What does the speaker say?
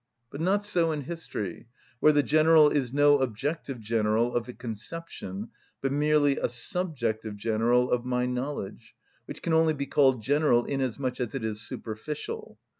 But not so in history, where the general is no objective general of the conception, but merely a subjective general of my knowledge, which can only be called general inasmuch as it is superficial.